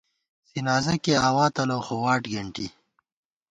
زِنازہ کېئی آوا تلَؤ خو واٹ گېنٹی